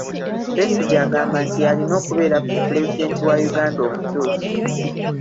Besigye agamba nti y'alina okubeera pulezidenti wa Uganda omutuufu.